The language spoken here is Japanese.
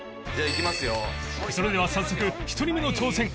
それでは早速１人目の挑戦